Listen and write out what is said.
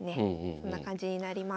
そんな感じになります。